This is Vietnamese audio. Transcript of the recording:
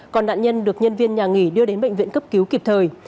còn nạn nhân được nhân viên nhà nghỉ đưa đến bệnh viện cấp cứu kịp thời